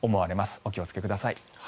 お気をつけください。